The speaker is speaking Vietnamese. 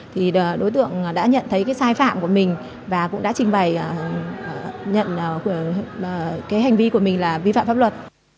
thì đối tượng đã nhận thấy cái sai phạm của mình và cũng đã trình bày nhận cái hành vi của mình là vi phạm pháp luật